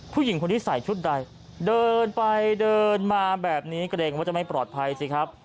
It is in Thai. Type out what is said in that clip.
ผู้หญิงคนนี้ใส่ชุดใดเดินไปเดินมาแบบนี้เกรงว่าจะไม่ปลอดภัยสิครับ